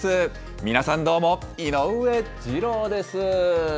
皆さん、どうも、井上二郎です。